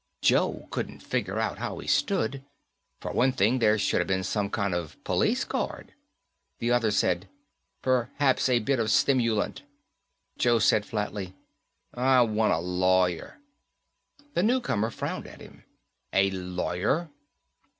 Joe couldn't figure out how he stood. For one thing, there should have been some kind of police guard. The other said, "Perhaps a bit of stimulant?" Joe said flatly, "I wanta lawyer." The newcomer frowned at him. "A lawyer?"